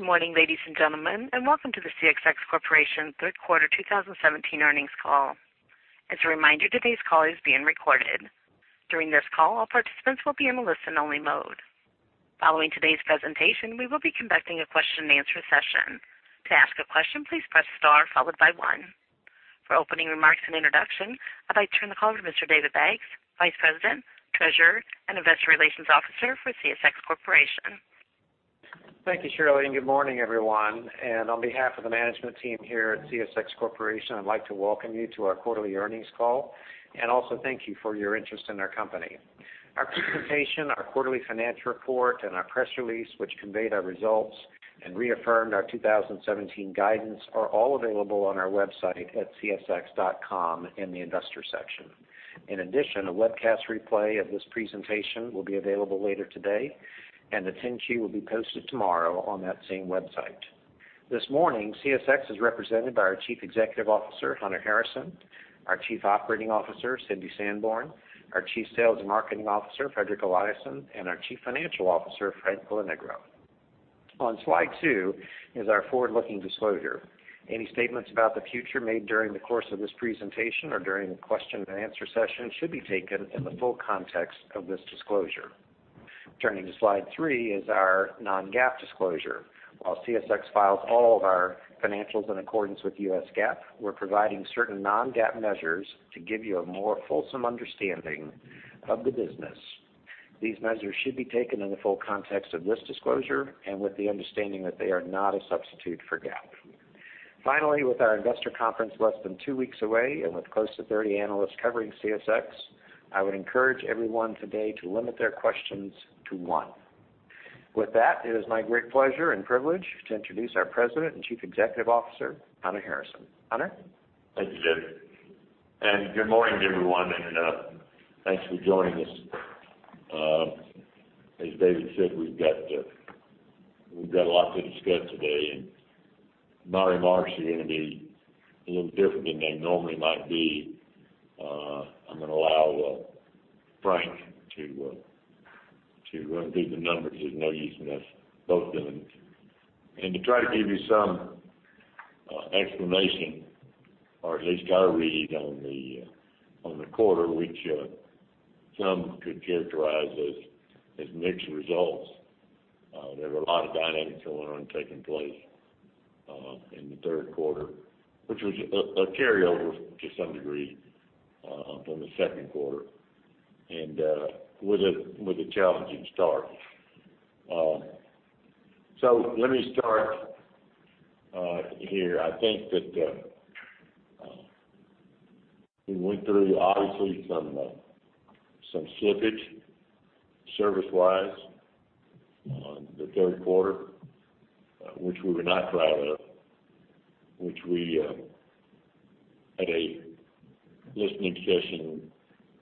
Good morning, ladies and gentlemen, and welcome to the CSX Corporation third quarter 2017 earnings call. As a reminder, today's call is being recorded. During this call, all participants will be in a listen-only mode. Following today's presentation, we will be conducting a question-and-answer session. To ask a question, please press star followed by one. For opening remarks and introduction, I'd like to turn the call to Mr. David Baggs, Vice President, Treasurer, and Investor Relations Officer for CSX Corporation. Thank you, Cheryl, and good morning, everyone. On behalf of the management team here at CSX Corporation, I'd like to welcome you to our quarterly earnings call and also thank you for your interest in our company. Our presentation, our quarterly financial report, and our press release, which conveyed our results and reaffirmed our 2017 guidance, are all available on our website at csx.com in the Investor Section. In addition, a webcast replay of this presentation will be available later today, and the 10-Q will be posted tomorrow on that same website. This morning, CSX is represented by our Chief Executive Officer, Hunter Harrison; our Chief Operating Officer, Cindy Sanborn; our Chief Sales and Marketing Officer, Fredrik Eliasson; and our Chief Financial Officer, Frank Lonegro. On slide two is our forward-looking disclosure. Any statements about th`e future made during the course of this presentation or during the question-and-answer session should be taken in the full context of this disclosure. Turning to slide three is our non-GAAP disclosure. While CSX files all of our financials in accordance with U.S. GAAP, we're providing certain non-GAAP measures to give you a more fulsome understanding of the business. These measures should be taken in the full context of this disclosure and with the understanding that they are not a substitute for GAAP. Finally, with our investor conference less than two weeks away and with close to 30 analysts covering CSX, I would encourage everyone today to limit their questions to one. With that, it is my great pleasure and privilege to introduce our President and Chief Executive Officer, Hunter Harrison. Hunter? Thank you, David. Good morning, everyone, and thanks for joining us. As David said, we've got a lot to discuss today. My remarks are going to be a little different than they normally might be. I'm going to allow Frank to run through the number because there's no use in us both of them. To try to give you some explanation, or at least our read on the quarter, which some could characterize as mixed results. There were a lot of dynamics going on and taking place in the third quarter, which was a carryover to some degree from the second quarter, and with a challenging start. So let me start here. I think that we went through, obviously, some slippage service-wise on the third quarter, which we were not proud of, which we had a listening session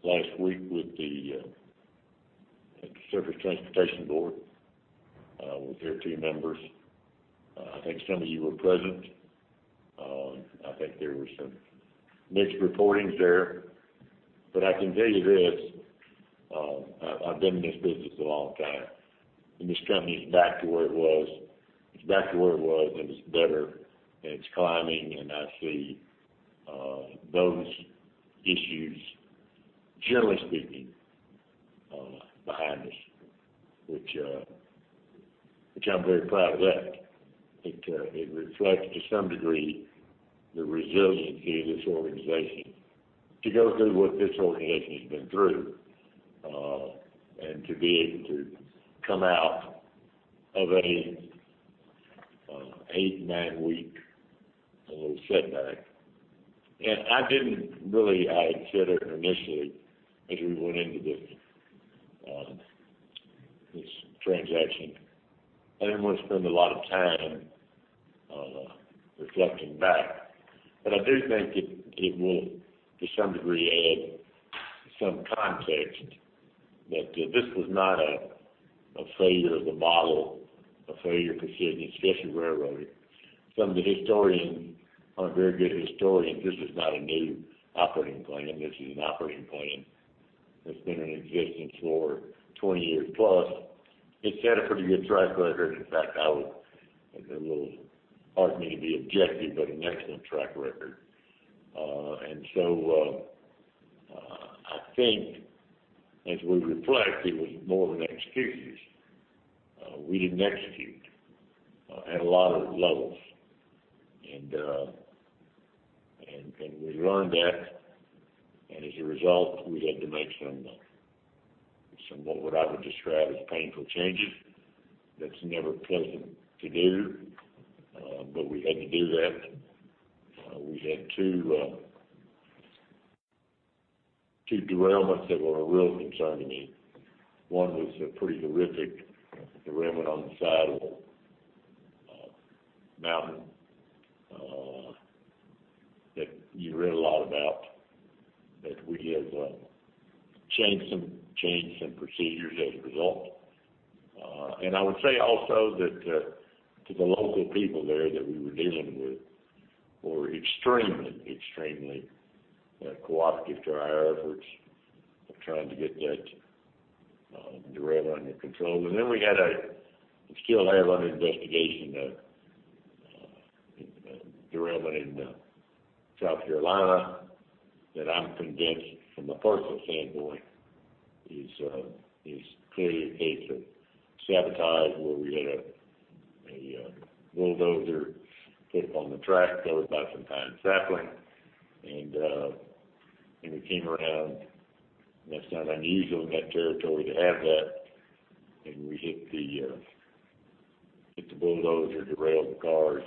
last week with the Surface Transportation Board with their two members. I think some of you were present. I think there were some mixed reportings there. But I can tell you this, I've been in this business a long time. And this company is back to where it was. It's back to where it was, and it's better, and it's climbing. And I see those issues, generally speaking, behind us, which I'm very proud of that. It reflects, to some degree, the resiliency of this organization to go through what this organization has been through and to be able to come out of an 8-9-week setback. And I didn't really—I had said it initially as we went into this transaction. I didn't want to spend a lot of time reflecting back. But I do think it will, to some degree, add some context that this was not a failure of the model, a failure of precision, especially railroading. Some of the historians are very good historians. This is not a new operating plan. This is an operating plan that's been in existence for 20 years plus. It's had a pretty good track record. In fact, I would, it's a little hard for me to be objective, but an excellent track record. And so I think, as we reflect, it was more of an excuse. We didn't execute at a lot of levels. And we learned that. And as a result, we had to make some of what I would describe as painful changes. That's never pleasant to do, but we had to do that. We had two derailments that were a real concern to me. One was a pretty horrific derailment on the Sand Patch Mountain that you read a lot about, that we have changed some procedures as a result. And I would say also that to the local people there that we were dealing with were extremely, extremely cooperative to our efforts of trying to get that derailment under control. And then we had a—we still have an investigation of a derailment in South Carolina that I'm convinced, from a personal standpoint, is clearly a case of sabotage, where we had a bulldozer put up on the track, towed by some pine sapling. And we came around—and that's not unusual in that territory to have that—and we hit the bulldozer, derailed the cars,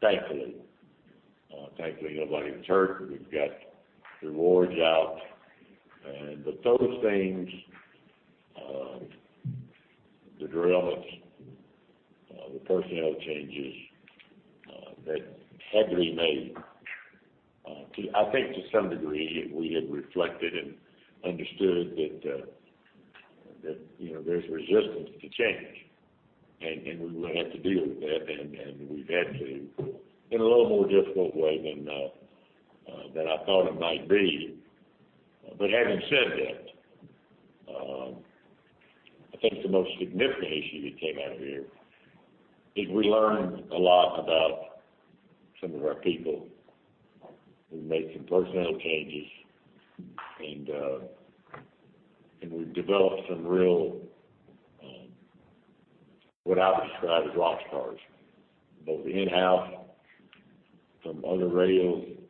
thankfully. Thankfully, nobody was hurt. We've got rewards out. But those things, the derailments, the personnel changes that had to be made, I think, to some degree, we had reflected and understood that there's resistance to change. We will have to deal with that. We've had to, in a little more difficult way than I thought it might be. But having said that, I think the most significant issue that came out of here is we learned a lot about some of our people. We made some personnel changes. We've developed some real, what I would describe as rock stars, both in-house, from other rails, from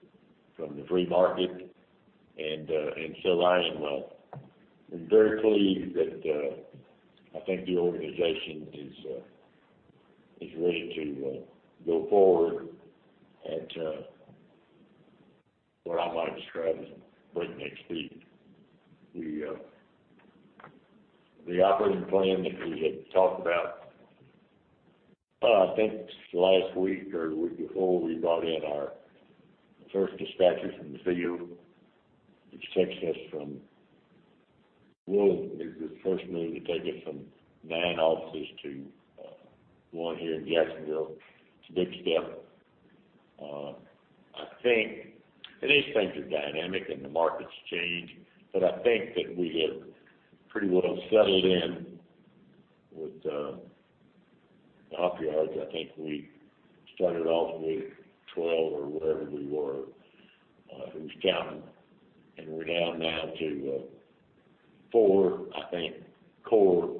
the free market. And so I am very pleased that I think the organization is ready to go forward at what I might describe as breakneck speed. The operating plan that we had talked about, I think last week or the week before, we brought in our first dispatchers from the field, which takes us from—well, it was the first move to take us from 9 offices to one here in Jacksonville. It's a big step. I think, and these things are dynamic and the markets change, but I think that we have pretty well settled in with the hump yards. I think we started off with 12 or wherever we were. It was counting. And we're down now to 4, I think, core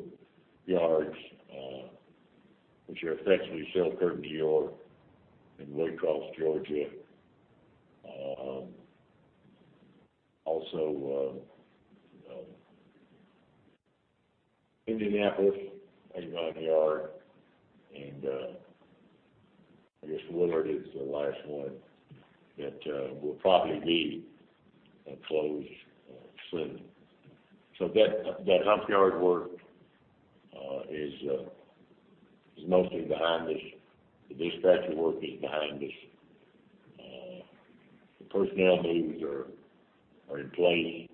yards, which are effectively Selkirk, New York, and Waycross, Georgia. Also, Indianapolis, Avon Yard. And I guess Willard is the last one that will probably be closed soon. So that hump yard work is mostly behind us. The dispatcher work is behind us. The personnel moves are in place.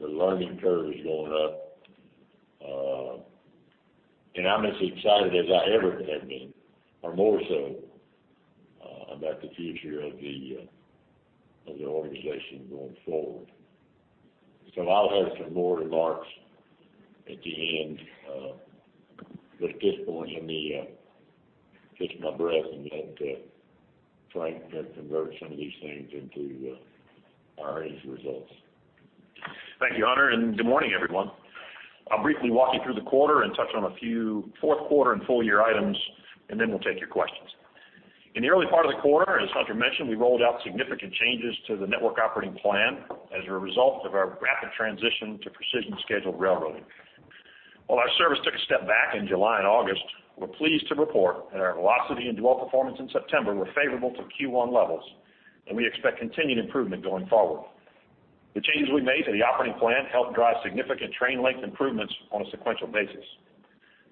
The learning curve is going up. I'm as excited as I ever have been, or more so, about the future of the organization going forward. I'll have some more remarks at the end. At this point, let me catch my breath and let Frank convert some of these things into our earnings results. Thank you, Hunter. Good morning, everyone. I'll briefly walk you through the quarter and touch on a few fourth quarter and full-year items, and then we'll take your questions. In the early part of the quarter, as Hunter mentioned, we rolled out significant changes to the network operating plan as a result of our rapid transition to Precision Scheduled Railroading. While our service took a step back in July and August, we're pleased to report that our velocity and dwell performance in September were favorable to Q1 levels, and we expect continued improvement going forward. The changes we made to the operating plan helped drive significant train length improvements on a sequential basis.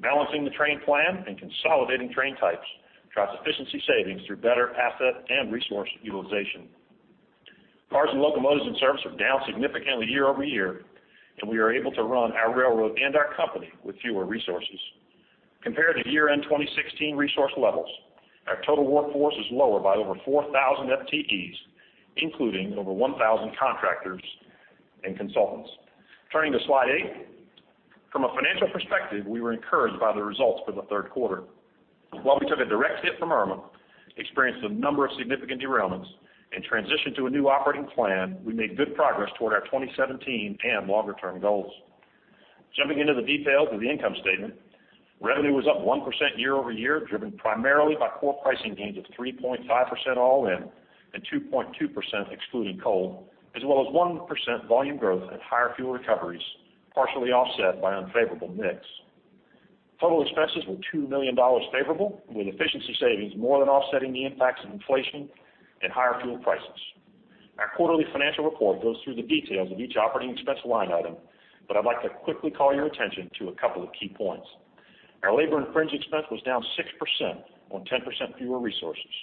Balancing the train plan and consolidating train types drives efficiency savings through better asset and resource utilization. Cars and locomotives in service are down significantly year-over-year, and we are able to run our railroad and our company with fewer resources. Compared to year-end 2016 resource levels, our total workforce is lower by over 4,000 FTEs, including over 1,000 contractors and consultants. Turning to slide 8, from a financial perspective, we were encouraged by the results for the third quarter. While we took a direct hit from Irma, experienced a number of significant derailments, and transitioned to a new operating plan, we made good progress toward our 2017 and longer-term goals. Jumping into the details of the income statement, revenue was up 1% year-over-year, driven primarily by core pricing gains of 3.5% all in and 2.2% excluding coal, as well as 1% volume growth and higher fuel recoveries, partially offset by unfavorable mix. Total expenses were $2 million favorable, with efficiency savings more than offsetting the impacts of inflation and higher fuel prices. Our quarterly financial report goes through the details of each operating expense line item, but I'd like to quickly call your attention to a couple of key points. Our labor and fringe expense was down 6% on 10% fewer resources.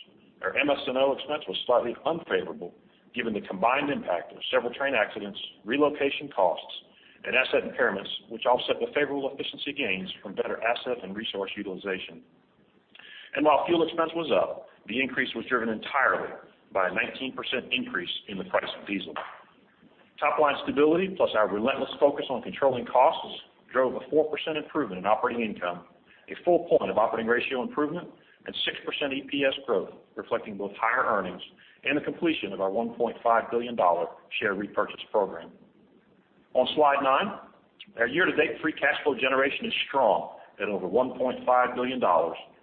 Our MS&O expense was slightly unfavorable, given the combined impact of several train accidents, relocation costs, and asset impairments, which offset the favorable efficiency gains from better asset and resource utilization. And while fuel expense was up, the increase was driven entirely by a 19% increase in the price of diesel. Top-line stability, plus our relentless focus on controlling costs, drove a 4% improvement in operating income, a full point of operating ratio improvement, and 6% EPS growth, reflecting both higher earnings and the completion of our $1.5 billion share repurchase program. On slide nine, our year-to-date free cash flow generation is strong at over $1.5 billion,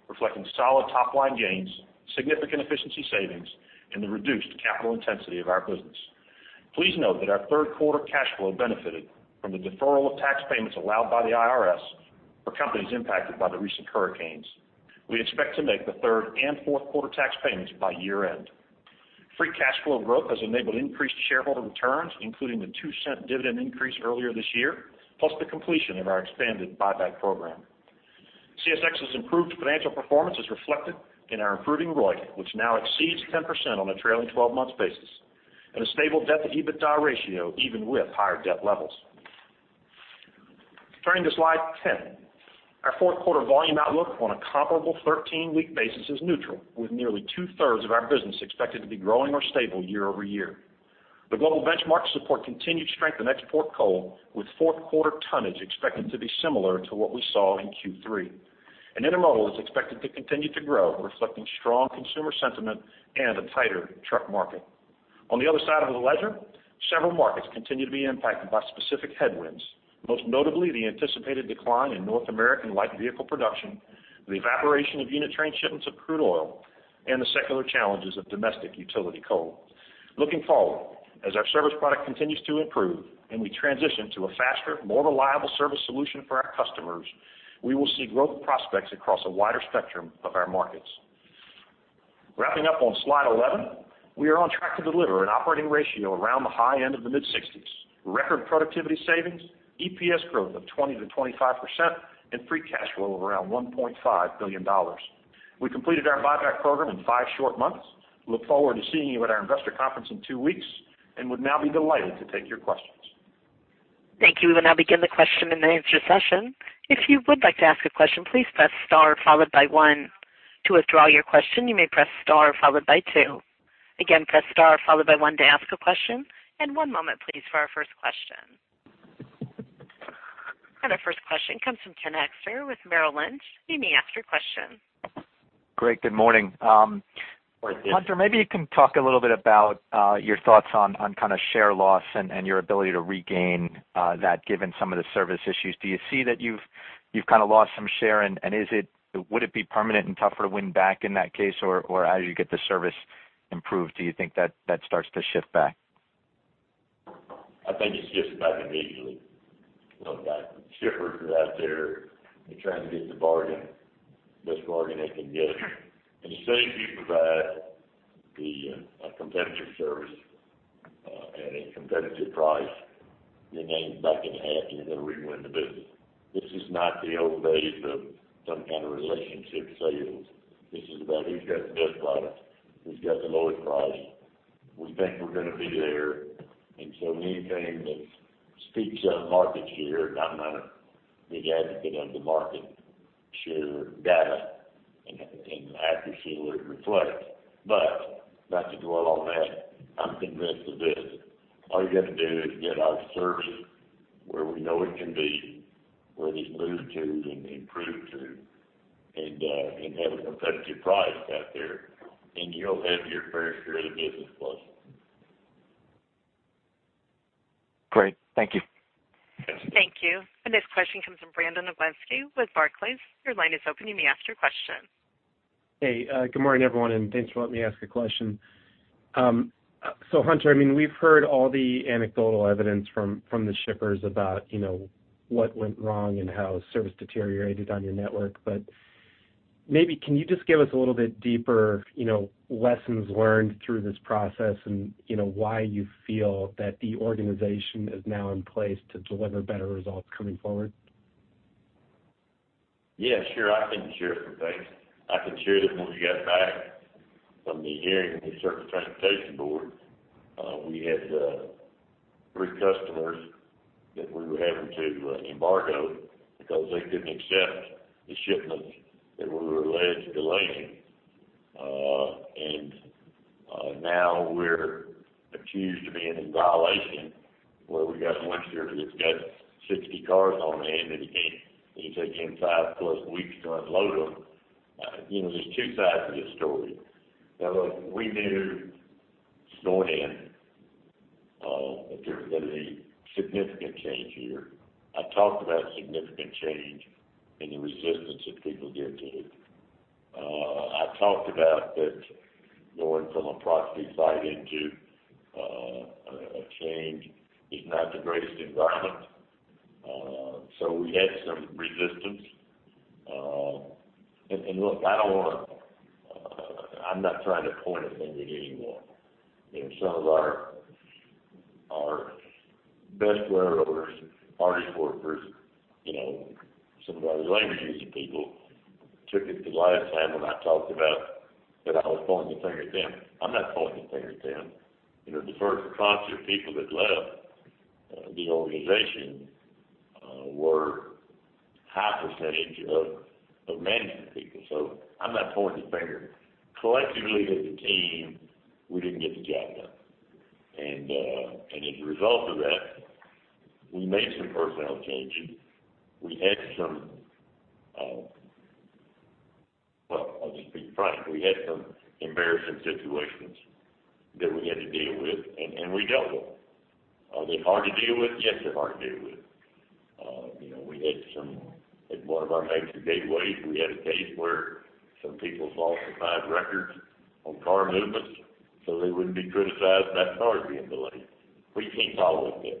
reflecting solid top-line gains, significant efficiency savings, and the reduced capital intensity of our business. Please note that our third quarter cash flow benefited from the deferral of tax payments allowed by the IRS for companies impacted by the recent hurricanes. We expect to make the third and fourth quarter tax payments by year-end. Free cash flow growth has enabled increased shareholder returns, including the $0.02 dividend increase earlier this year, plus the completion of our expanded buyback program. CSX's improved financial performance is reflected in our improving ROIC, which now exceeds 10% on a trailing 12-month basis, and a stable debt-to-EBITDA ratio, even with higher debt levels. Turning to slide 10, our fourth quarter volume outlook on a comparable 13-week basis is neutral, with nearly two-thirds of our business expected to be growing or stable year-over-year. The global benchmarks support continued strength in export coal, with fourth quarter tonnage expected to be similar to what we saw in Q3. Intermodal is expected to continue to grow, reflecting strong consumer sentiment and a tighter truck market. On the other side of the ledger, several markets continue to be impacted by specific headwinds, most notably the anticipated decline in North American light vehicle production, the evaporation of unit train shipments of crude oil, and the secular challenges of domestic utility coal. Looking forward, as our service product continues to improve and we transition to a faster, more reliable service solution for our customers, we will see growth prospects across a wider spectrum of our markets. Wrapping up on slide 11, we are on track to deliver an operating ratio around the high end of the mid-60s, record productivity savings, EPS growth of 20%-25%, and free cash flow of around $1.5 billion. We completed our buyback program in five short months. Look forward to seeing you at our investor conference in two weeks and would now be delighted to take your questions. Thank you. We will now begin the question and answer session. If you would like to ask a question, please press star followed by one. To withdraw your question, you may press star followed by two. Again, press star followed by one to ask a question. One moment, please, for our first question. Our first question comes from Ken Hoexter with Merrill Lynch. He may ask your question. Great. Good morning. Hunter, maybe you can talk a little bit about your thoughts on kind of share loss and your ability to regain that given some of the service issues. Do you see that you've kind of lost some share, and would it be permanent and tougher to win back in that case, or as you get the service improved, do you think that starts to shift back? I think it's shifting back immediately. Shippers are out there trying to get the best bargain they can get. And as soon as you provide a competitive service at a competitive price, your name's back in the hat and you're going to rewin the business. This is not the old days of some kind of relationship sales. This is about who's got the best product, who's got the lowest price. We think we're going to be there. And so anything that speaks to market share, I'm not a big advocate of the market share data and accuracy of what it reflects. But not to dwell on that, I'm convinced of this. All you got to do is get our service where we know it can be, where there's move to and improve to, and have a competitive price out there, and you'll have your fair share of the business plus. Great. Thank you. Thank you. And this question comes from Brandon Oglenski with Barclays. Your line is open. You may ask your question. Hey, good morning, everyone, and thanks for letting me ask a question. So Hunter, I mean, we've heard all the anecdotal evidence from the shippers about what went wrong and how service deteriorated on your network. But maybe can you just give us a little bit deeper lessons learned through this process and why you feel that the organization is now in place to deliver better results coming forward? Yeah, sure. I can share some things. I can share them when we got back from the hearing with the Surface Transportation Board. We had three customers that we were having to embargo because they couldn't accept the shipments that we were alleged delaying. And now we're accused of being in violation, where we got one ship that's got 60 cars on hand that it can't take in five-plus weeks to unload them. There's two sides to this story. Now, look, we knew going in that there was going to be significant change here. I talked about significant change and the resistance that people give to it. I talked about that going from a proxy fight into a change is not the greatest environment. So we had some resistance. And look, I don't want to—I'm not trying to point a finger at anyone. Some of our best railroaders, hardest workers, some of our union people took it the last time when I talked about that I was pointing the finger at them. I'm not pointing the finger at them. The first non-contract people that left the organization were half the percentage of management people. So I'm not pointing the finger. Collectively, as a team, we didn't get the job done. As a result of that, we made some personnel changes. We had some, well, I'll just be frank. We had some embarrassing situations that we had to deal with, and we dealt with them. Are they hard to deal with? Yes, they're hard to deal with. We had some, at one of our major gateways, we had a case where some people lost 5 records on car movements so they wouldn't be criticized by the cars being delayed. We can't tolerate that.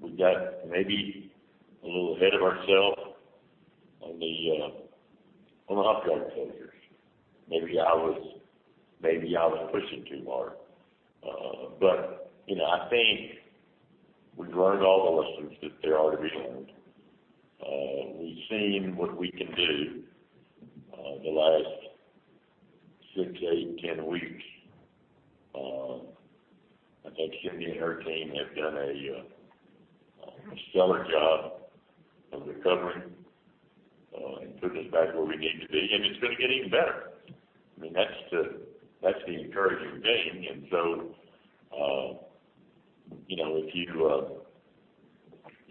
We got maybe a little ahead of ourselves on the hump yard closures. Maybe I was pushing too hard. I think we've learned all the lessons that there are to be learned. We've seen what we can do. The last 6, 8, 10 weeks, I think Cindy and her team have done a stellar job of recovering and putting us back where we need to be. It's going to get even better. I mean, that's the encouraging thing.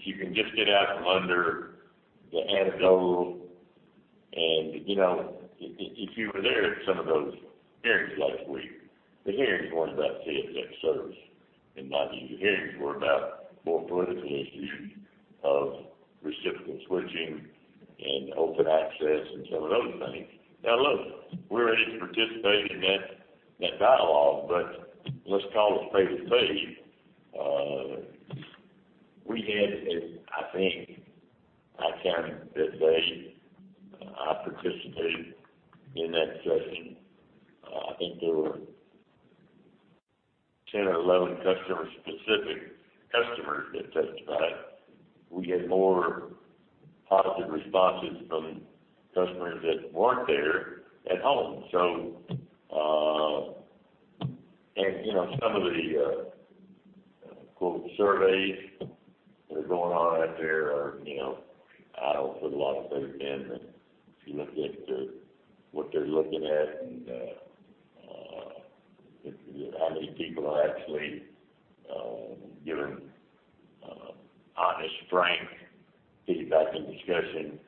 If you can just get out from under the anecdotal, and if you were there at some of those hearings last week, the hearings weren't about CSX service in my view. The hearings were about more political issues of reciprocal switching and open access and some of those things. Now, look, we're ready to participate in that dialogue, but let's call it pay as paid. We had, I think, I counted that day. I participated in that session. I think there were 10 or 11 customer-specific customers that testified. We had more positive responses from customers that weren't there at home. And some of the, quote, surveys that are going on out there are, I don't put a lot of faith in them. If you look at what they're looking at and how many people are actually giving honest, frank feedback and discussion,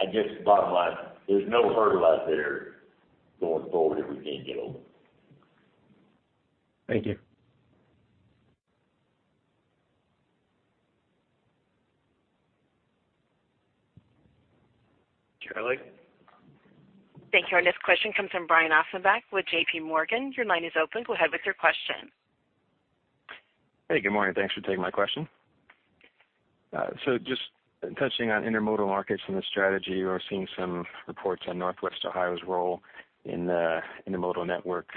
I guess the bottom line, there's no hurdle out there going forward if we can't get over it. Thank you. Charlie? Thank you. This question comes from Brian Ossenbeck with J.P. Morgan. Your line is open. Go ahead with your question. Hey, good morning. Thanks for taking my question. So just touching on intermodal markets and the strategy, we're seeing some reports on Northwest Ohio's role in the intermodal network,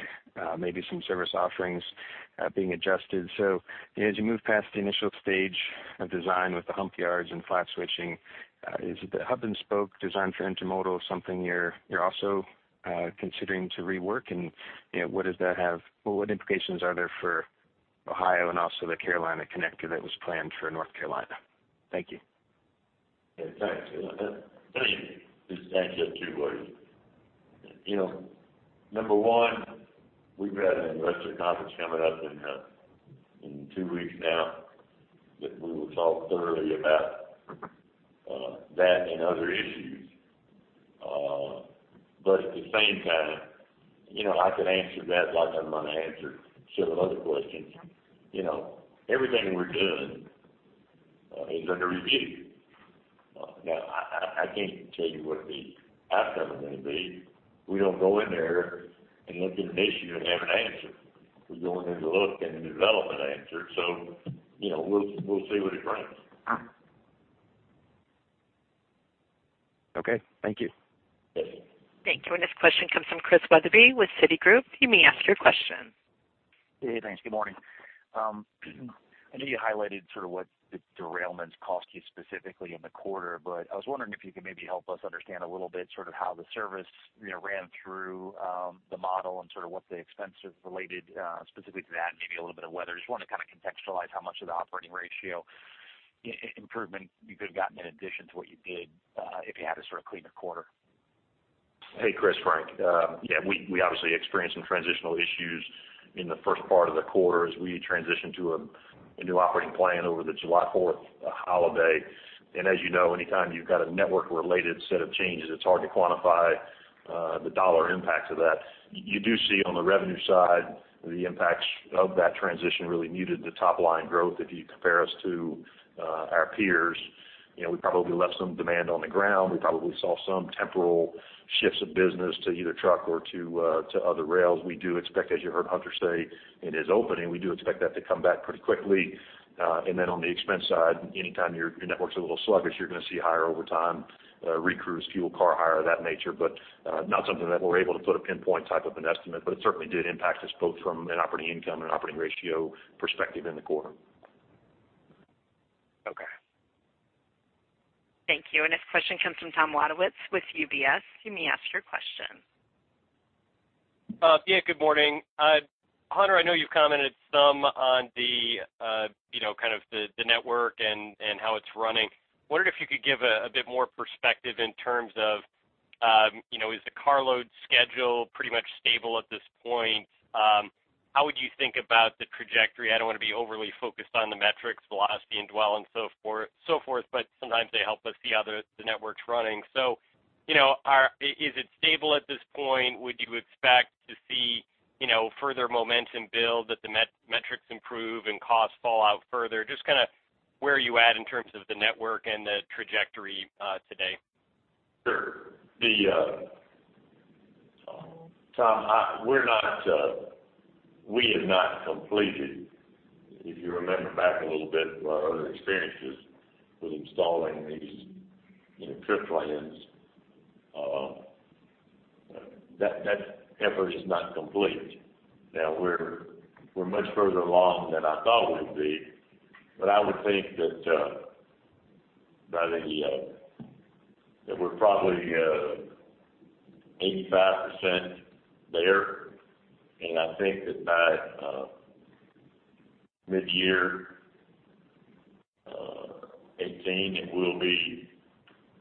maybe some service offerings being adjusted. So as you move past the initial stage of design with the hump yards and flat switching, is the hub-and-spoke design for intermodal something you're also considering to rework? And what does that have—what implications are there for Ohio and also the Carolina Connector that was planned for North Carolina? Thank you. Yeah, thanks. Thank you. This is the answer in two words. Number one, we've got an investor conference coming up in two weeks now that we will talk thoroughly about that and other issues. But at the same time, I could answer that like I'm going to answer several other questions. Everything we're doing is under review. Now, I can't tell you what the outcome is going to be. We don't go in there and look at an issue and have an answer. We go in there to look and develop an answer. So we'll see what it brings. Okay. Thank you. Yes. Thank you. This question comes from Chris Wetherbee with Citi. You may ask your question. Hey, thanks. Good morning. I know you highlighted sort of what the derailments cost you specifically in the quarter, but I was wondering if you could maybe help us understand a little bit sort of how the service ran through the model and sort of what the expenses related specifically to that and maybe a little bit of weather? Just wanted to kind of contextualize how much of the operating ratio improvement you could have gotten in addition to what you did if you had a sort of cleaner quarter. Hey, Chris, Frank. Yeah, we obviously experienced some transitional issues in the first part of the quarter as we transitioned to a new operating plan over the July 4th holiday. As you know, anytime you've got a network-related set of changes, it's hard to quantify the dollar impacts of that. You do see on the revenue side the impacts of that transition really muted the top-line growth if you compare us to our peers. We probably left some demand on the ground. We probably saw some temporal shifts of business to either truck or to other rails. We do expect, as you heard Hunter say in his opening, we do expect that to come back pretty quickly. Then on the expense side, anytime your network's a little sluggish, you're going to see higher overtime, recruits, fuel, car hire, of that nature. But not something that we're able to put a pinpoint type of an estimate. But it certainly did impact us both from an operating income and operating ratio perspective in the quarter. Okay. Thank you. This question comes from Tom Wadewitz with UBS. You may ask your question. Yeah, good morning. Hunter, I know you've commented some on the kind of the network and how it's running. Wondered if you could give a bit more perspective in terms of, is the car load schedule pretty much stable at this point? How would you think about the trajectory? I don't want to be overly focused on the metrics, velocity, and dwell and so forth, but sometimes they help us see how the network's running. So is it stable at this point? Would you expect to see further momentum build, that the metrics improve and costs fall out further? Just kind of where you at in terms of the network and the trajectory today. Sure. Tom, we have not completed, if you remember back a little bit to our other experiences with installing these trip plans, that effort is not complete. Now, we're much further along than I thought we would be. But I would think that by the—that we're probably 85% there. And I think that by mid-year 2018, it will be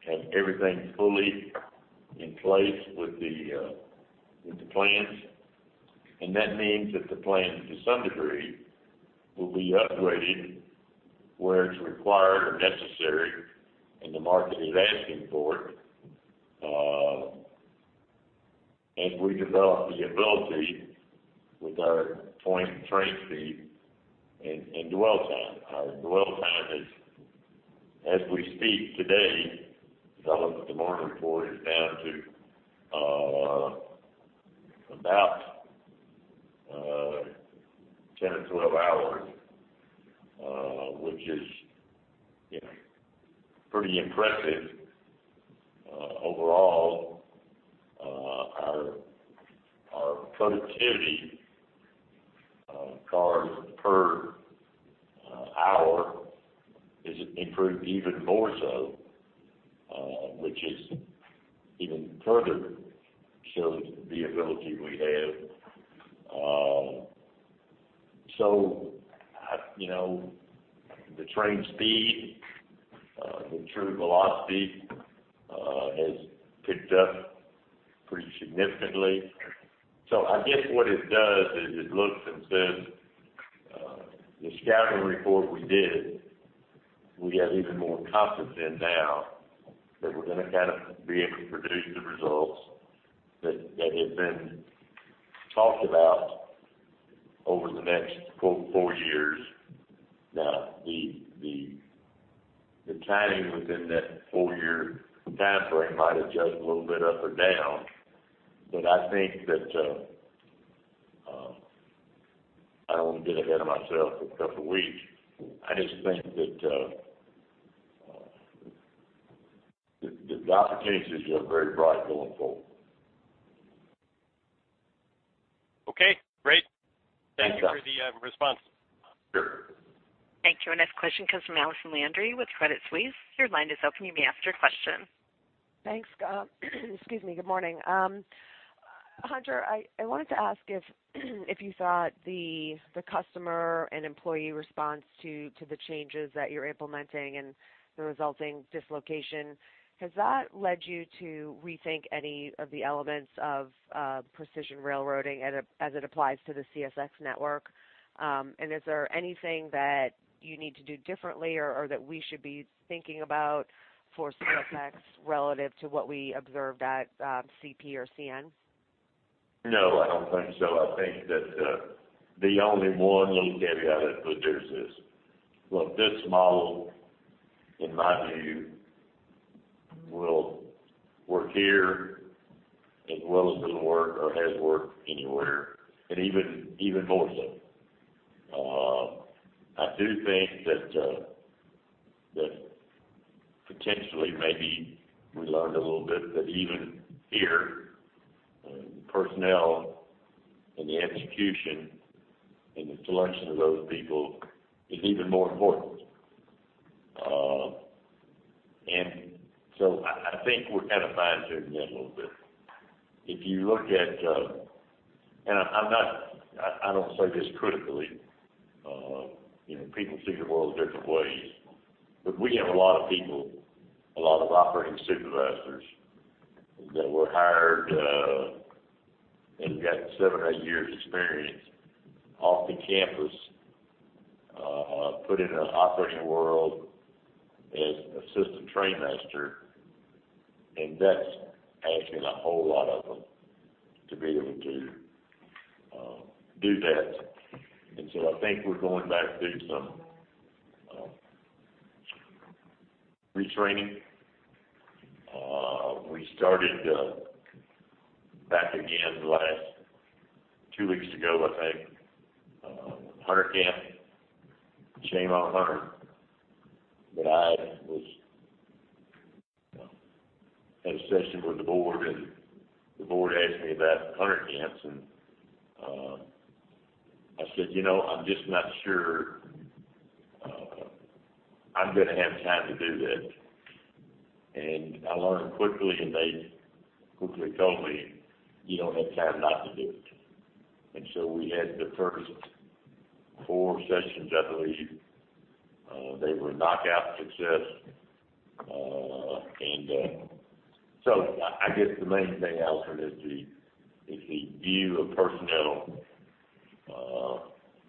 have everything fully in place with the plans. And that means that the plan, to some degree, will be upgraded where it's required or necessary and the market is asking for it as we develop the ability with our point train speed and dwell time. Our dwell time is, as we speak today, as I looked at the morning report, is down to about 10 or 12 hours, which is pretty impressive. Overall, our productivity, cars per hour, is improved even more so, which is even further shows the ability we have. So the train speed, the true velocity has picked up pretty significantly. So I guess what it does is it looks and says, "The scouting report we did, we have even more confidence in now that we're going to kind of be able to produce the results that have been talked about over the next, quote, four years." Now, the timing within that four-year time frame might adjust a little bit up or down. But I think that I don't want to get ahead of myself for a couple of weeks. I just think that the opportunities are very bright going forward. Okay. Great. Thank you for the response. Sure. Thank you. And this question comes from Allison Landry with Credit Suisse. Your line is open. You may ask your question. Thanks, Scott. Excuse me. Good morning. Hunter, I wanted to ask if you thought the customer and employee response to the changes that you're implementing and the resulting dislocation, has that led you to rethink any of the elements of precision railroading as it applies to the CSX network? And is there anything that you need to do differently or that we should be thinking about for CSX relative to what we observed at CP or CN? No, I don't think so. I think that the only one little caveat I'd put there is, look, this model, in my view, will work here as well as it'll work or has worked anywhere and even more so. I do think that potentially, maybe we learned a little bit, that even here, the personnel and the execution and the selection of those people is even more important. And so I think we're kind of fine-tuning that a little bit. If you look at - and I don't say this critically. People see the world different ways. But we have a lot of people, a lot of operating supervisors that were hired and got seven or eight years' experience off the campus, put in an operating world as assistant trainmaster. And that's asking a whole lot of them to be able to do that. And so I think we're going back to do some retraining. We started back again last 2 weeks ago, I think, with Hunter Camp. Shame on Hunter. But I had a session with the board, and the board asked me about Hunter Camps. And I said, "I'm just not sure I'm going to have time to do that." And I learned quickly, and they quickly told me, "You don't have time not to do it." And so we had the first 4 sessions, I believe. They were knockout success. And so I guess the main thing, Allison, is the view of personnel.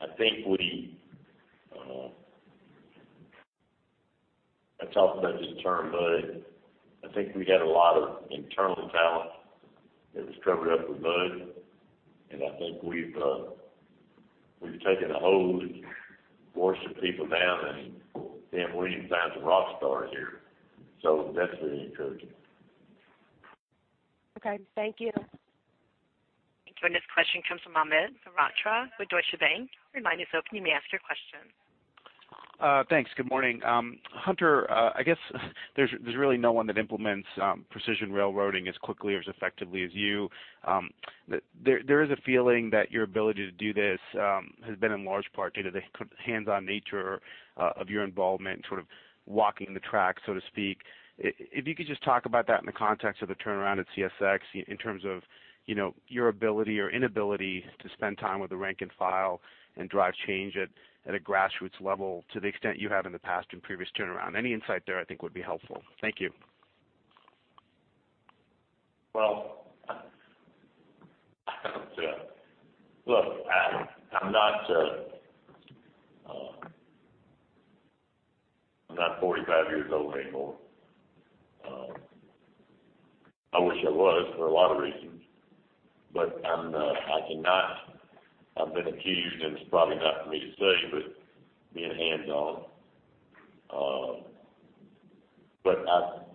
I think we—I talked about this term mud. I think we got a lot of internal talent that was covered up with mud. And I think we've taken a hold, forced the people down, and we need to find some rock stars here. So that's very encouraging. Okay. Thank you. Thank you. This question comes from Amit Mehrotra from Deutsche Bank. Your line is open. You may ask your question. Thanks. Good morning. Hunter, I guess there's really no one that implements precision railroading as quickly or as effectively as you. There is a feeling that your ability to do this has been in large part due to the hands-on nature of your involvement and sort of walking the track, so to speak. If you could just talk about that in the context of the turnaround at CSX in terms of your ability or inability to spend time with the rank and file and drive change at a grassroots level to the extent you have in the past and previous turnaround. Any insight there, I think, would be helpful. Thank you. Well, look, I'm not 45 years old anymore. I wish I was for a lot of reasons. But I've been accused, and it's probably not for me to say, but being hands-on. But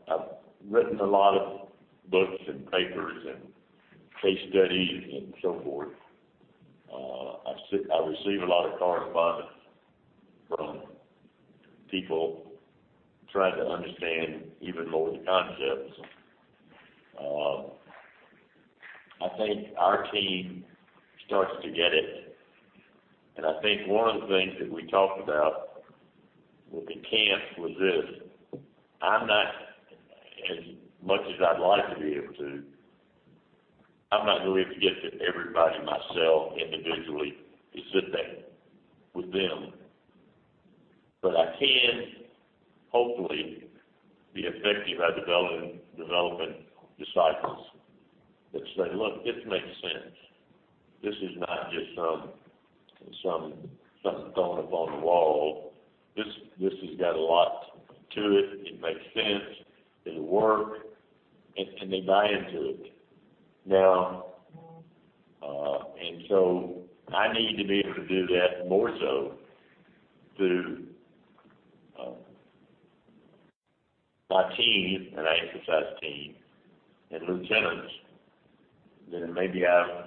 I've written a lot of books and papers and case studies and so forth. I receive a lot of correspondence from people trying to understand even more of the concepts. I think our team starts to get it. And I think one of the things that we talked about with the camp was this. I'm not as much as I'd like to be able to. I'm not going to be able to get to everybody myself individually to sit back with them. But I can, hopefully, be effective by developing disciples that say, "Look, this makes sense. This is not just some thrown up on the wall. This has got a lot to it. It makes sense. It'll work." And they buy into it. And so I need to be able to do that more so through my team and our exercise team and lieutenants than maybe I've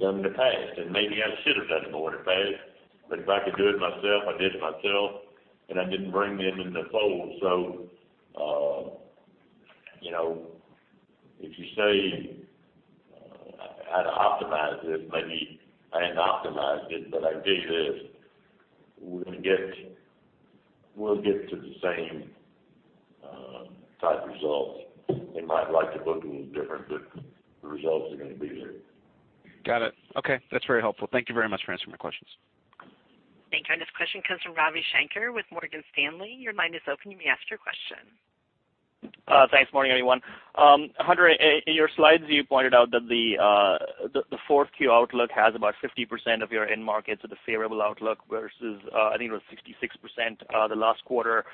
done in the past. And maybe I should have done more in the past. But if I could do it myself, I did it myself. And I didn't bring them in the fold. So if you say, "I had to optimize this," maybe, "I hadn't optimized it, but I did this," we're going to get to the same type of results. They might like to book it a little different, but the results are going to be there. Got it. Okay. That's very helpful. Thank you very much for answering my questions. Thank you. And this question comes from Ravi Shanker with Morgan Stanley. Your line is open. You may ask your question. Thanks. Morning, everyone. Hunter, in your slides, you pointed out that the Q4 outlook has about 50% of your end markets with a favorable outlook versus, I think it was 66% the last quarter.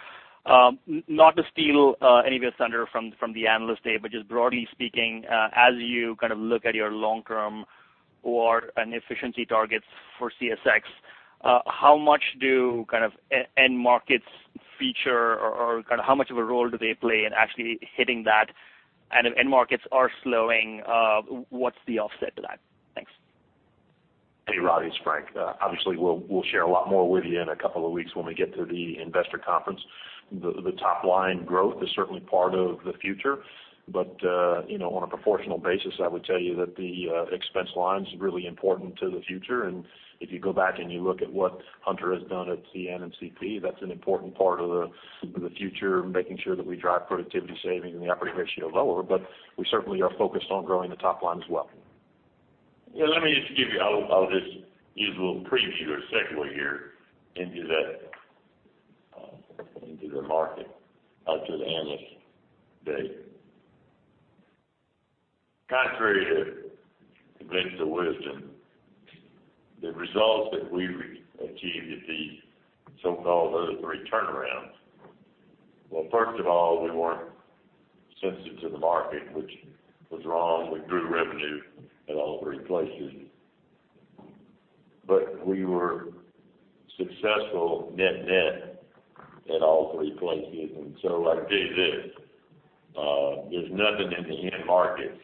Not to steal any of your thunder from the analyst data, but just broadly speaking, as you kind of look at your long-term or efficiency targets for CSX, how much do kind of end markets feature or kind of how much of a role do they play in actually hitting that? And if end markets are slowing, what's the offset to that? Thanks. Hey, Ravi, it's Frank. Obviously, we'll share a lot more with you in a couple of weeks when we get to the investor conference. The top-line growth is certainly part of the future. But on a proportional basis, I would tell you that the expense lines are really important to the future. And if you go back and you look at what Hunter has done at CN and CP, that's an important part of the future, making sure that we drive productivity savings and the operating ratio lower. But we certainly are focused on growing the top line as well. Yeah. Let me just give you, I'll just use a little preview or segue here into the market, to the analyst data. Contrary to conventional wisdom, the results that we achieved at the so-called other three turnarounds, well, first of all, we weren't sensitive to the market, which was wrong. We grew revenue at all three places. But we were successful net-net at all three places. And so I'll tell you this. There's nothing in the end markets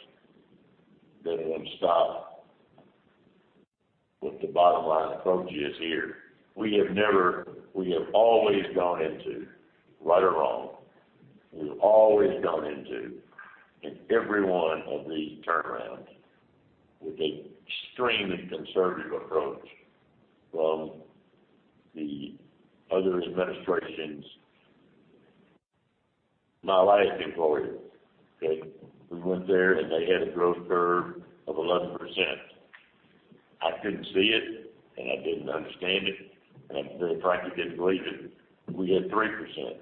that will stop what the bottom-line approach is here. We have always gone into, right or wrong, we've always gone into, in every one of these turnarounds, with an extremely conservative approach from the other administration's my last employer. Okay? We went there, and they had a growth curve of 11%. I couldn't see it, and I didn't understand it. And very frankly, I didn't believe it. We had 3%.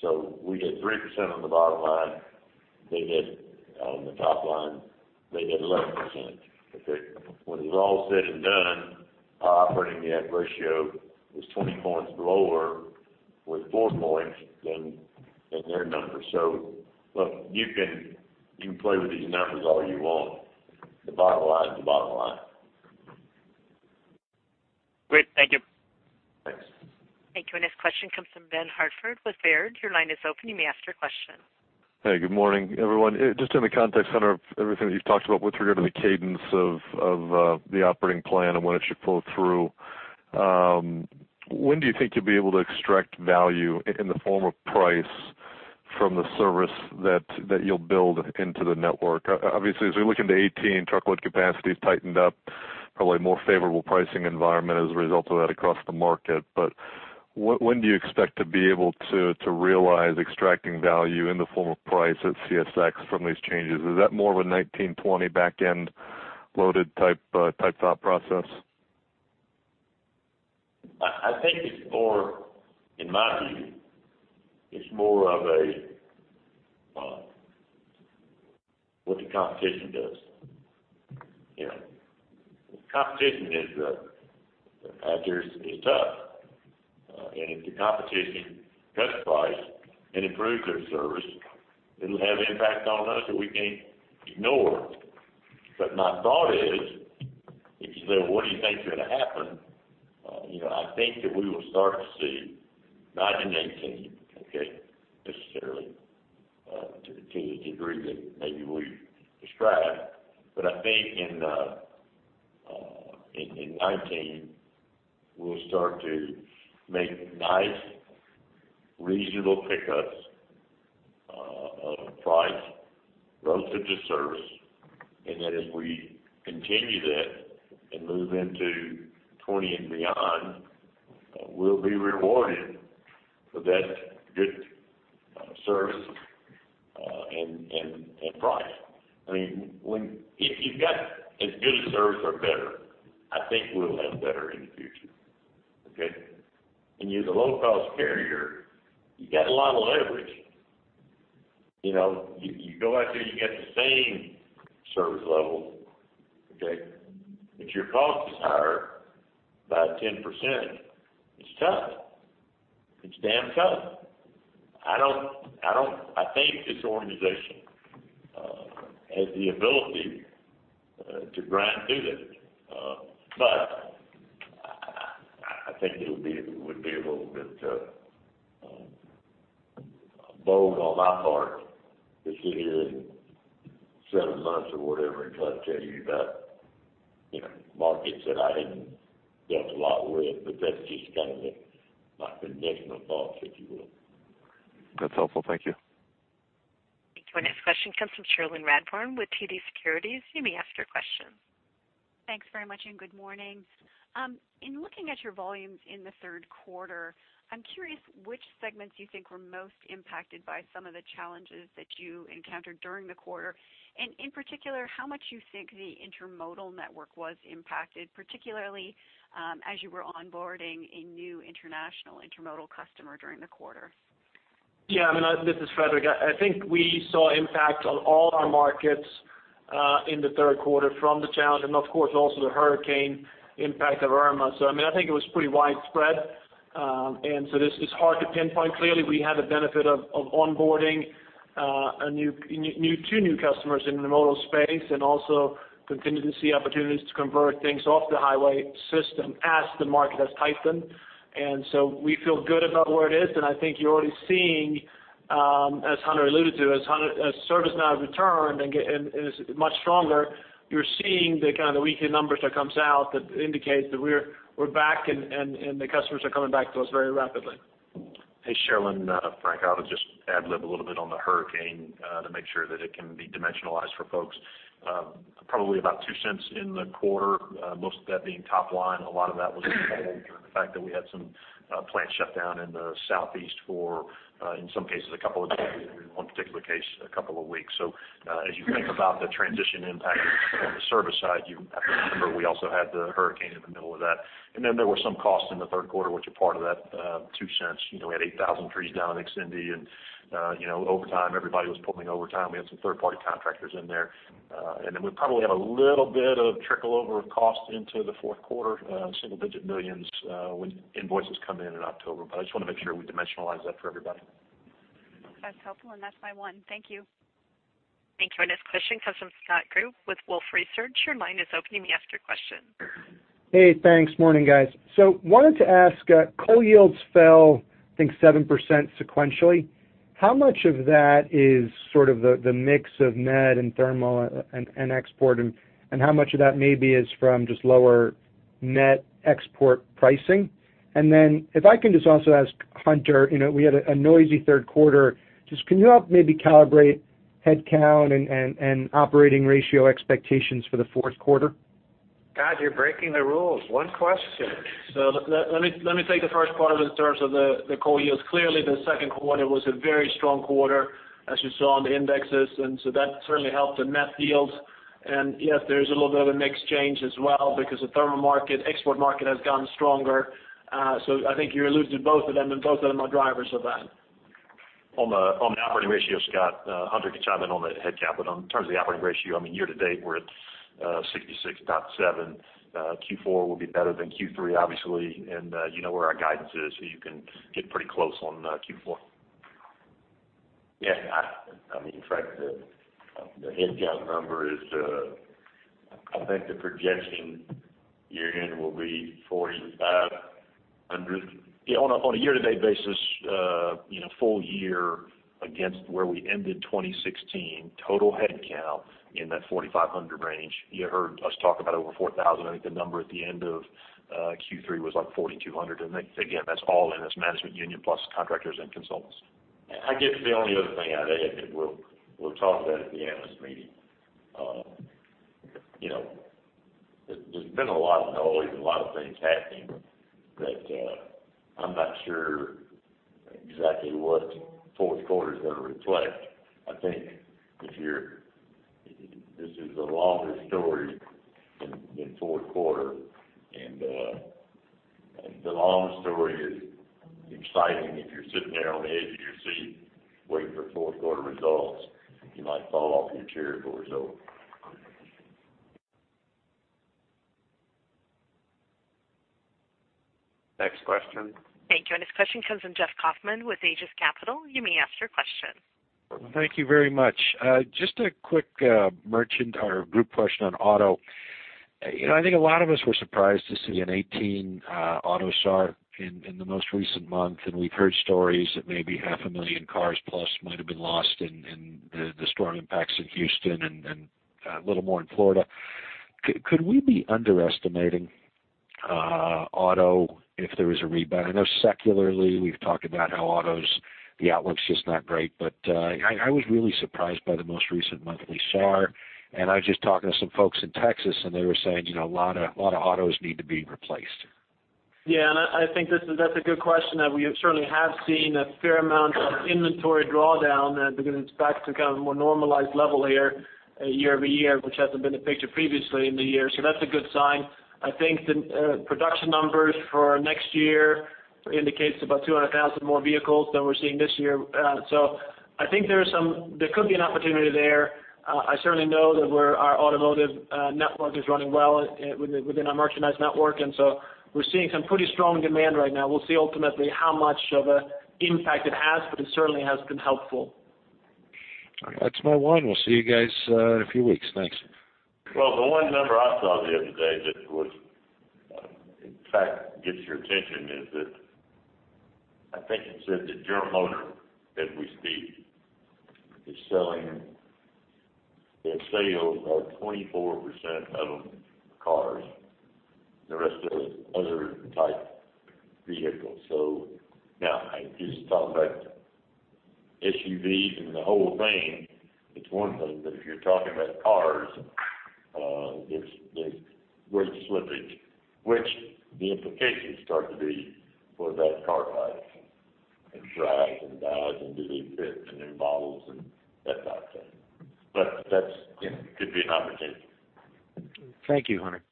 So we had 3% on the bottom line. They had on the top line, they had 11%. Okay? When it was all said and done, our operating ratio was 20 points lower with 4 points than their numbers. So look, you can play with these numbers all you want. The bottom line is the bottom line. Great. Thank you. Thanks. Thank you. And this question comes from Ben Hartford with Baird. Your line is open. You may ask your question. Hey, good morning, everyone. Just in the context of everything that you've talked about with regard to the cadence of the operating plan and when it should pull through, when do you think you'll be able to extract value in the form of price from the service that you'll build into the network? Obviously, as we look into 2018, truckload capacity's tightened up, probably a more favorable pricing environment as a result of that across the market. But when do you expect to be able to realize extracting value in the form of price at CSX from these changes? Is that more of a 2019-2020 back-end loaded type thought process? I think it's more, in my view, it's more of what the competition does. Competition is, it's tough. And if the competition cuts price and improves their service, it'll have impact on us that we can't ignore. But my thought is, if you say, "Well, what do you think's going to happen?" I think that we will start to see not in 2018, okay, necessarily to the degree that maybe we described. But I think in 2019, we'll start to make nice, reasonable pickups of price relative to service. And then as we continue that and move into 2020 and beyond, we'll be rewarded for that good service and price. I mean, if you've got as good a service or better, I think we'll have better in the future. Okay? And you're the low-cost carrier. You've got a lot of leverage. You go out there, you've got the same service level. Okay? But your cost is higher by 10%. It's tough. It's damn tough. I think this organization has the ability to grind through that. But I think it would be a little bit bold on my part to sit here and spend a month or whatever and try to tell you about markets that I hadn't dealt a lot with. But that's just kind of my conventional thoughts, if you will. That's helpful. Thank you. Thank you. This question comes from Cherilyn Radbourne with TD Securities. You may ask your question. Thanks very much, and good morning. In looking at your volumes in the third quarter, I'm curious which segments you think were most impacted by some of the challenges that you encountered during the quarter. In particular, how much you think the intermodal network was impacted, particularly as you were onboarding a new international intermodal customer during the quarter? Yeah. I mean, this is Fredrik. I think we saw impact on all our markets in the third quarter from the challenge and, of course, also the hurricane impact of Irma. So I mean, I think it was pretty widespread. And so it's hard to pinpoint clearly. We had the benefit of onboarding 2 new customers in the modal space and also continued to see opportunities to convert things off the highway system as the market has tightened. And so we feel good about where it is. And I think you're already seeing, as Hunter alluded to, as service now has returned and is much stronger, you're seeing the kind of the weekly numbers that come out that indicate that we're back and the customers are coming back to us very rapidly. Hey, Cherilyn, Frank, I'll just add a little bit on the hurricane to make sure that it can be dimensionalized for folks. Probably about $0.02 in the quarter, most of that being top line. A lot of that was informed through the fact that we had some plant shutdown in the southeast for, in some cases, a couple of days, and in one particular case, a couple of weeks. So as you think about the transition impact on the service side, you have to remember we also had the hurricane in the middle of that. And then there were some costs in the third quarter, which are part of that $0.02. We had 8,000 trees down in Indy. And overtime, everybody was pulling overtime. We had some third-party contractors in there. And then we probably have a little bit of trickle-over of cost into the fourth quarter, $1-$9 million when invoices come in in October. But I just want to make sure we dimensionalize that for everybody. That's helpful. And that's my one. Thank you. Thank you. And this question comes from Scott Group with Wolfe Research. Your line is open. You may ask your question. Hey. Thanks. Morning, guys. So wanted to ask, coal yields fell, I think, 7% sequentially. How much of that is sort of the mix of met and thermal and export, and how much of that maybe is from just lower net export pricing? And then if I can just also ask Hunter, we had a noisy third quarter. Just can you help maybe calibrate headcount and operating ratio expectations for the fourth quarter? God, you're breaking the rules. One question. So let me take the first part of it in terms of the coal yields. Clearly, the second quarter was a very strong quarter, as you saw on the indexes. And so that certainly helped the net yields. And yes, there's a little bit of a mixed change as well because the thermal market, export market has gotten stronger. So I think you alluded to both of them, and both of them are drivers of that. On the operating ratio, Scott, Hunter can chime in on the headcount. But in terms of the operating ratio, I mean, year-to-date, we're at 66.7%. Q4 will be better than Q3, obviously. And you know where our guidance is, so you can get pretty close on Q4. Yeah. I mean, in fact, the headcount number is, I think, the projection year-end will be 4,500. Yeah. On a year-to-date basis, full year against where we ended 2016, total headcount in that 4,500 range, you heard us talk about over 4,000. I think the number at the end of Q3 was like 4,200. And again, that's all in this management union plus contractors and consultants. I guess the only other thing I'd add, and we'll talk about it at the analyst meeting, there's been a lot of noise and a lot of things happening that I'm not sure exactly what fourth quarter is going to reflect. I think this is a longer story than fourth quarter. The long story is exciting. If you're sitting there on the edge of your seat waiting for fourth quarter results, you might fall off your chair for a result. Next question. Thank you. This question comes from Jeff Kauffman with Aegis Capital. You may ask your question. Thank you very much. Just a quick merchant or group question on auto. I think a lot of us were surprised to see a 2018 auto start in the most recent month. And we've heard stories that maybe 500,000 cars plus might have been lost in the storm impacts in Houston and a little more in Florida. Could we be underestimating auto if there was a rebound? I know secularly, we've talked about how auto's the outlook's just not great. But I was really surprised by the most recent monthly SAR. And I was just talking to some folks in Texas, and they were saying a lot of autos need to be replaced. Yeah. And I think that's a good question that we certainly have seen a fair amount of inventory drawdown because it's back to kind of a more normalized level here year over year, which hasn't been the picture previously in the year. So that's a good sign. I think the production numbers for next year indicate about 200,000 more vehicles than we're seeing this year. So I think there could be an opportunity there. I certainly know that our automotive network is running well within our merchandise network. And so we're seeing some pretty strong demand right now. We'll see ultimately how much of an impact it has, but it certainly has been helpful. All right. That's my one. We'll see you guys in a few weeks. Thanks. Well, the one number I saw the other day that would, in fact, get your attention is that I think it said that General Motors, as we speak, is selling their sales of 24% of them cars and the rest of the other type vehicles. So now, I just talked about SUVs and the whole thing. It's one thing, but if you're talking about cars, there's great slippage, which the implications start to be for that car type and dries and dies and do they fit the new models and that type of thing. But that could be an opportunity. Thank you, Hunter.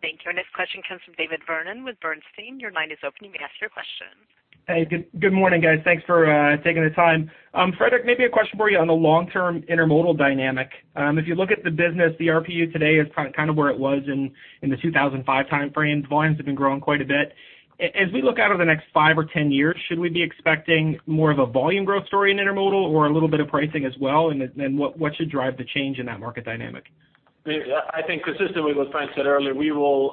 Thank you. This question comes from David Vernon with Bernstein. Your line is open. You may ask your question. Hey. Good morning, guys. Thanks for taking the time. Fredrik, maybe a question for you on the long-term intermodal dynamic. If you look at the business, the RPU today is kind of where it was in the 2005 timeframe. The volumes have been growing quite a bit. As we look out over the next 5 or 10 years, should we be expecting more of a volume growth story in intermodal or a little bit of pricing as well? What should drive the change in that market dynamic? I think consistently with what Frank said earlier, we will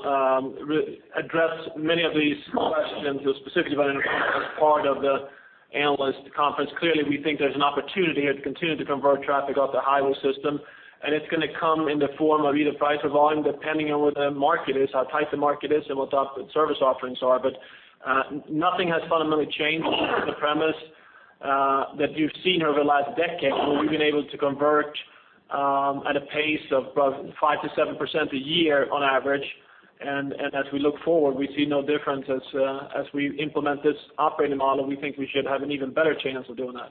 address many of these questions specifically about intermodal as part of the analyst conference. Clearly, we think there's an opportunity here to continue to convert traffic off the highway system. And it's going to come in the form of either price or volume, depending on where the market is, how tight the market is, and what the service offerings are. But nothing has fundamentally changed in the premise that you've seen over the last decade where we've been able to convert at a pace of about 5%-7% a year on average. And as we look forward, we see no difference. As we implement this operating model, we think we should have an even better chance of doing that.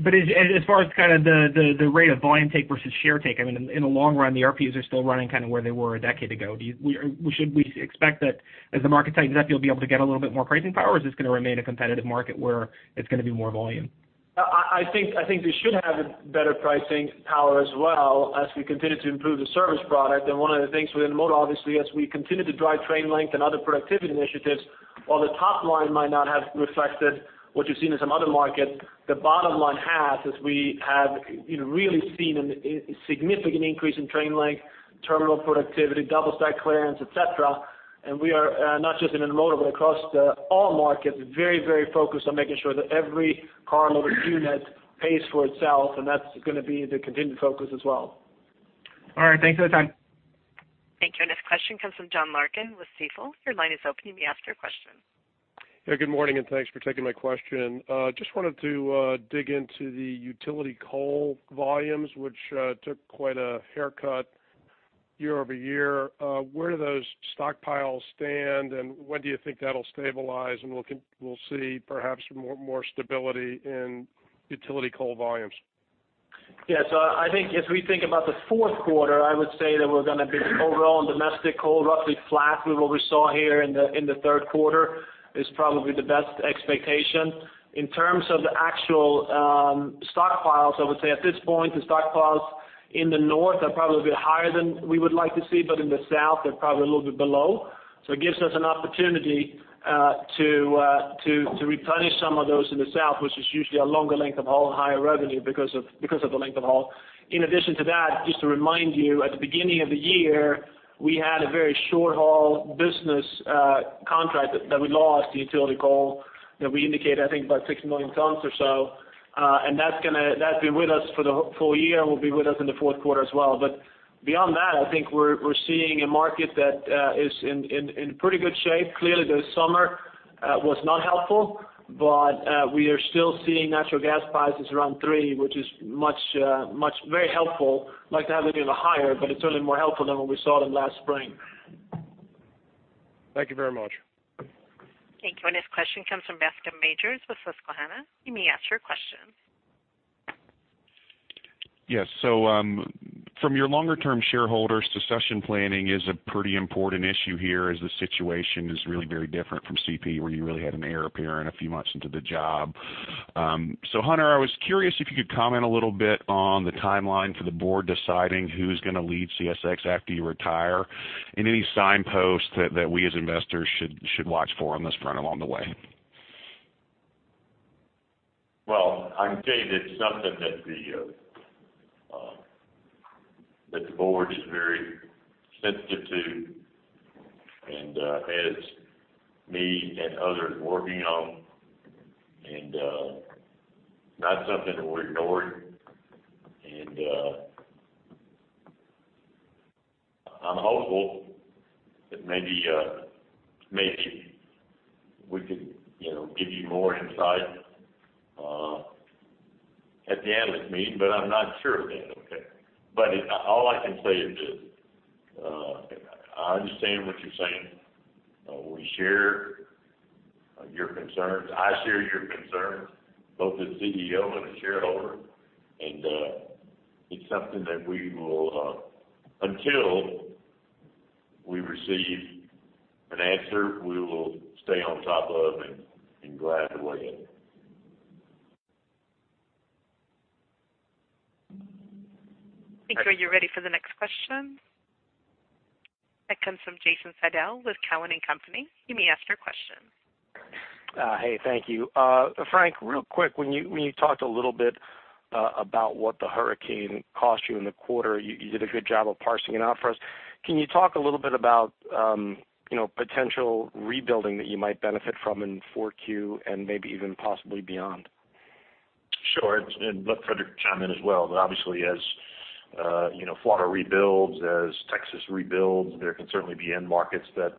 But as far as kind of the rate of volume take versus share take, I mean, in the long run, the RPUs are still running kind of where they were a decade ago. Should we expect that as the market tightens, that you'll be able to get a little bit more pricing power, or is this going to remain a competitive market where it's going to be more volume? I think we should have better pricing power as well as we continue to improve the service product. And one of the things with intermodal, obviously, as we continue to drive train length and other productivity initiatives, while the top line might not have reflected what you've seen in some other markets, the bottom line has, as we have really seen a significant increase in train length, terminal productivity, double stack clearance, etc. And we are not just in intermodal, but across all markets, very, very focused on making sure that every car loaded unit pays for itself. And that's going to be the continued focus as well. All right. Thanks for the time. Thank you. And this question comes from John Larkin with Stifel. Your line is open. You may ask your question. Hey. Good morning, and thanks for taking my question. Just wanted to dig into the utility coal volumes, which took quite a haircut year-over-year. Where do those stockpiles stand, and when do you think that'll stabilize? And we'll see perhaps more stability in utility coal volumes. Yeah. So I think if we think about the fourth quarter, I would say that we're going to be overall in domestic coal, roughly flat with what we saw here in the third quarter, is probably the best expectation. In terms of the actual stockpiles, I would say at this point, the stockpiles in the north are probably a bit higher than we would like to see. But in the south, they're probably a little bit below. So it gives us an opportunity to replenish some of those in the south, which is usually a longer length of haul and higher revenue because of the length of haul. In addition to that, just to remind you, at the beginning of the year, we had a very short haul business contract that we lost in utility coal that we indicated, I think, about 6 million tons or so. That's been with us for the full year, and will be with us in the fourth quarter as well. Beyond that, I think we're seeing a market that is in pretty good shape. Clearly, the summer was not helpful, but we are still seeing natural gas prices around $3, which is very helpful. I'd like to have it even higher, but it's certainly more helpful than what we saw them last spring. Thank you very much. Thank you. And this question comes from Bascome Majors with Susquehanna. You may ask your question. Yes. So from your longer-term shareholders, succession planning is a pretty important issue here as the situation is really very different from CP, where you really had an heir appearing a few months into the job. So Hunter, I was curious if you could comment a little bit on the timeline for the board deciding who's going to lead CSX after you retire and any signposts that we as investors should watch for on this front along the way? Well, I'd say that's something that the board is very sensitive to and has me and others working on. And it's not something that we're ignoring. And I'm hopeful that maybe we could give you more insight at the analyst meeting, but I'm not sure of that. Okay. But all I can say is this. I understand what you're saying. We share your concerns. I share your concerns, both as CEO and as shareholder. And it's something that we will, until we receive an answer, we will stay on top of and glad to weigh in. Thank you. You're ready for the next question. That comes from Jason Seidl with Cowen and Company. You may ask your question. Hey. Thank you. Frank, real quick, when you talked a little bit about what the hurricane cost you in the quarter, you did a good job of parsing it out for us. Can you talk a little bit about potential rebuilding that you might benefit from in 4Q and maybe even possibly beyond? Sure. And let Fredrik chime in as well. But obviously, as Florida rebuilds, as Texas rebuilds, there can certainly be end markets that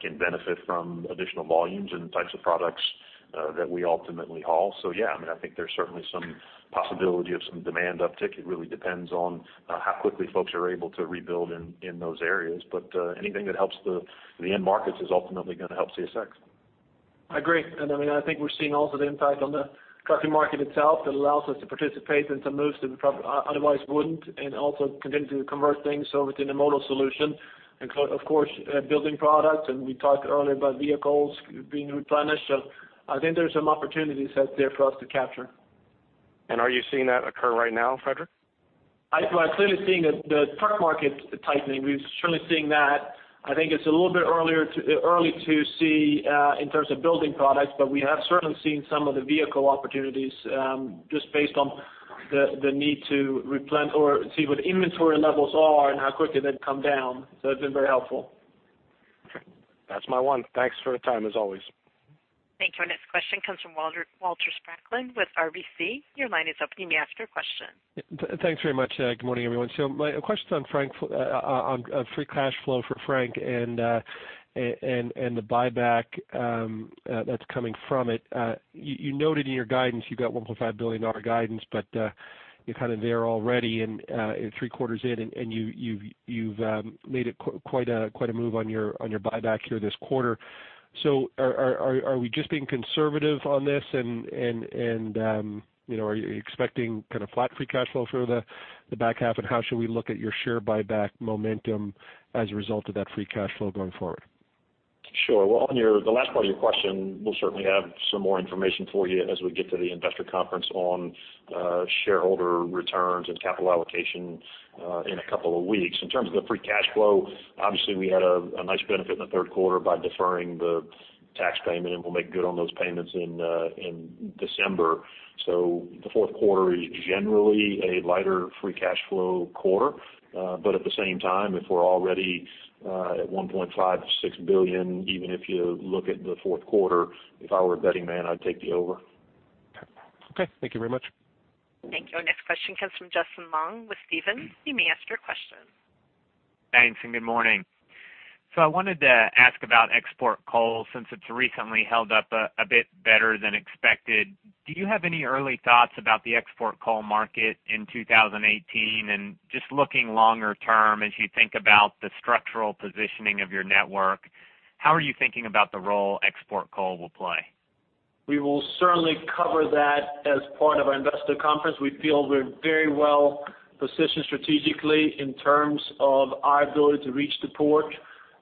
can benefit from additional volumes and types of products that we ultimately haul. So yeah, I mean, I think there's certainly some possibility of some demand uptick. It really depends on how quickly folks are able to rebuild in those areas. But anything that helps the end markets is ultimately going to help CSX. I agree. And I mean, I think we're seeing also the impact on the trucking market itself that allows us to participate in some moves that we otherwise wouldn't and also continue to convert things over to intermodal solution, including, of course, building products. And we talked earlier about vehicles being replenished. So I think there's some opportunities out there for us to capture. Are you seeing that occur right now, Fredrik? I'm clearly seeing the truck market tightening. We're certainly seeing that. I think it's a little bit early to see in terms of building products, but we have certainly seen some of the vehicle opportunities just based on the need to replenish or see what inventory levels are and how quickly they've come down. So it's been very helpful. Okay. That's my one. Thanks for the time, as always. Thank you. And this question comes from Walter Spracklin with RBC. Your line is open. You may ask your question. Thanks very much. Good morning, everyone. So my question's on free cash flow for Frank and the buyback that's coming from it. You noted in your guidance, you've got $1.5 billion guidance, but you're kind of there already and three quarters in, and you've made quite a move on your buyback here this quarter. So are we just being conservative on this? And are you expecting kind of flat free cash flow for the back half? And how should we look at your share buyback momentum as a result of that free cash flow going forward? Sure. Well, on the last part of your question, we'll certainly have some more information for you as we get to the investor conference on shareholder returns and capital allocation in a couple of weeks. In terms of the free cash flow, obviously, we had a nice benefit in the third quarter by deferring the tax payment, and we'll make good on those payments in December. So the fourth quarter is generally a lighter free cash flow quarter. But at the same time, if we're already at $1.5-$6 billion, even if you look at the fourth quarter, if I were a betting man, I'd take the over. Okay. Thank you very much. Thank you. This question comes from Justin Long with Stephens. You may ask your question. Thanks. Good morning. I wanted to ask about export coal since it's recently held up a bit better than expected. Do you have any early thoughts about the export coal market in 2018? Just looking longer term, as you think about the structural positioning of your network, how are you thinking about the role export coal will play? We will certainly cover that as part of our investor conference. We feel we're very well positioned strategically in terms of our ability to reach the port,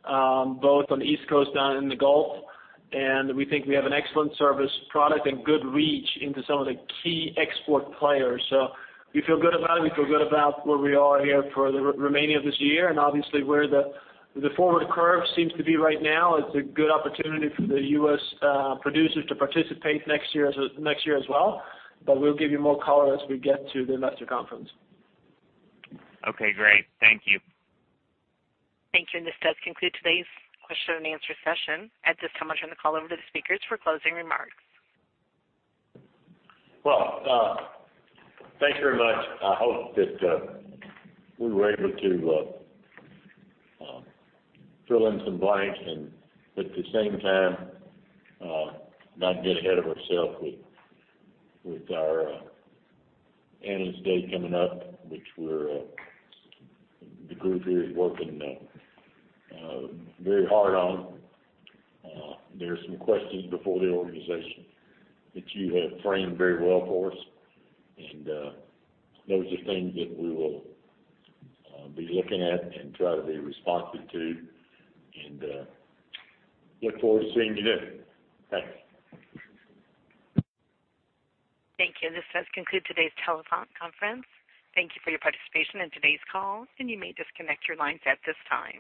both on the East Coast and in the Gulf. And we think we have an excellent service product and good reach into some of the key export players. So we feel good about it. We feel good about where we are here for the remaining of this year. And obviously, where the forward curve seems to be right now, it's a good opportunity for the U.S. producers to participate next year as well. But we'll give you more color as we get to the investor conference. Okay. Great. Thank you. Thank you. This does conclude today's question and answer session. At this time, I'll turn the call over to the speakers for closing remarks. Well, thanks very much. I hope that we were able to fill in some blanks and, at the same time, not get ahead of ourselves with our analyst day coming up, which the group here is working very hard on. There are some questions before the organization that you have framed very well for us. And those are things that we will be looking at and try to be responsive to. And look forward to seeing you there. Thanks. Thank you. This does conclude today's teleconference. Thank you for your participation in today's call. You may disconnect your lines at this time.